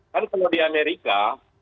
kan kalau di amerika